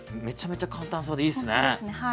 めちゃめちゃ簡単そうでいいっすね。